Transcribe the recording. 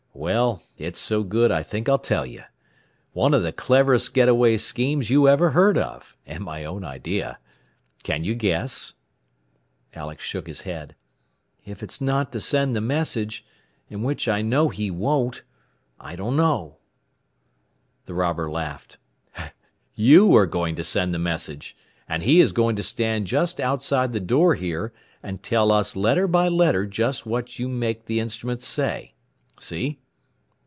"Well, it's so good I think I'll tell you. One of the cleverest getaway schemes you ever heard of, and my own idea. Can you guess?" Alex shook his head. "If it's not to send the message and which I know he won't I don't know." The robber laughed. "You are going to send the message, and he is going to stand just outside the door here and tell us letter by letter just what you make the instruments say. See?"